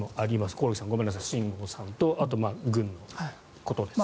興梠さん、ごめんなさい秦剛さんとあと軍のことですが。